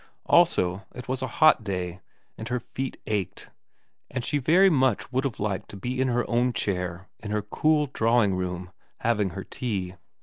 Also it was a hot day and her feet ached, and she very much would have liked to be in her own chair in her cool drawing room having her tea.